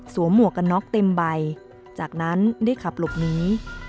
หมวกกันน็อกเต็มใบจากนั้นได้ขับหลบหนี